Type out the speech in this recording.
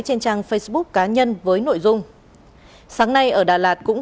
trên trang facebook cá nhân với nội dung